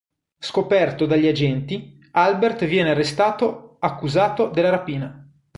Scoperto dagli agenti, Albert viene arrestato, accusato della rapina.